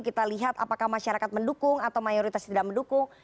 kita lihat apakah masyarakat mendukung atau mayoritas tidak mendukung